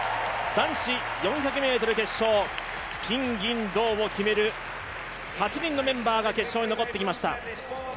男子４００ｍ決勝、金、銀、銅を決める８人のメンバーが決勝に残ってきました。